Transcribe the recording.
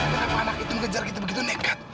tapi kenapa anak itu mengejar kita begitu nekat